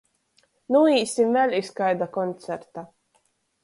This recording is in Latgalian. Nūīsim vēļ iz kaida koncerta!